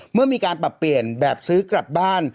เมื่อมีการปรับเปลี่ยนแบบซื้อกลับบ้าน